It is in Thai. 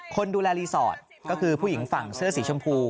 คนดูแลรีสอร์ทก็คือผู้หญิงฝั่งเสื้อสีชมพู